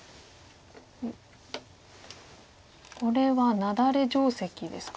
これはナダレ定石ですか？